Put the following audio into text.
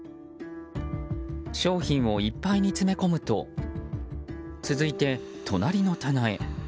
商品をいっぱいに詰め込むと続いて、隣の棚へ。